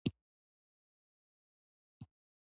افغانستان د نفت لپاره مشهور دی.